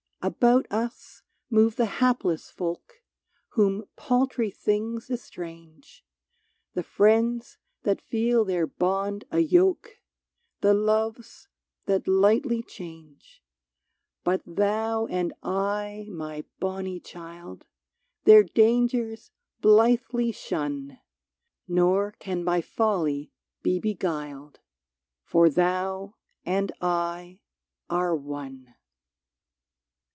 About us move the hapless folk Whom paltry things estrange ; The friends that feel their bond a yoke, The loves that lightly change ; But thou and I, my bonny child, Their dangers blithely shun, Nor can by folly be beguiled, — For thou and I are one